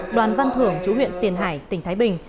đoàn văn thưởng chú huyện tiền hải tỉnh thái bình